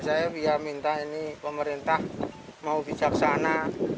saya minta ini pemerintah mau bijaksana